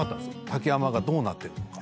竹山がどうなってるのか。